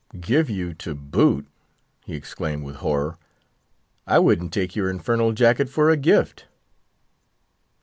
"Give you to boot?" he exclaimed, with horror; "I wouldn't take your infernal jacket for a gift!"